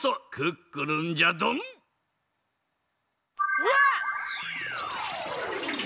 うわっ！